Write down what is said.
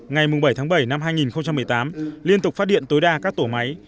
ngày bảy tháng bảy năm hai nghìn một mươi tám liên tục phát điện tối đa các tổ máy